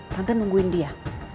tante nungguin dia